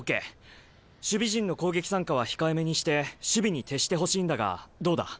守備陣の攻撃参加は控えめにして守備に徹してほしいんだがどうだ？